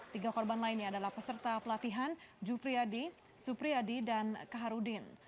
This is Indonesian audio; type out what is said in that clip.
tiga korban lainnya adalah peserta pelatihan jufriyadi supriyadi dan kaharudin